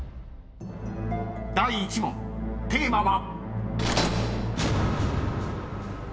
［第１問テーマは］